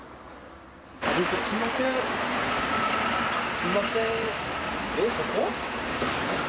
すいません